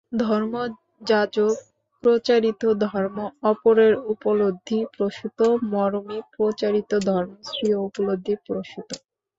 ধর্মযাজক-প্রচারিত ধর্ম অপরের উপলব্ধি-প্রসূত, মরমী- প্রচারিত ধর্ম স্বীয় উপলব্ধি-প্রসূত।